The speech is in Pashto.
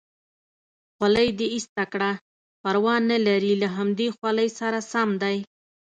خولۍ دې ایسته کړه، پروا نه لري له همدې خولۍ سره سم دی.